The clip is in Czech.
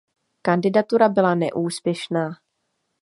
Kandidatura byla neúspěšná.